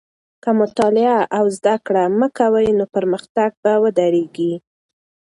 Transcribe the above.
که مطالعه او زده کړه مه کوې، نو پرمختګ به ودرېږي.